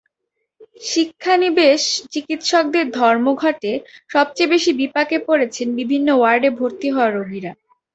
শিক্ষানবিশ চিকিৎসকদের ধর্মঘটে সবচেয়ে বেশি বিপাকে পড়েছেন বিভিন্ন ওয়ার্ডে ভর্তি হওয়া রোগীরা।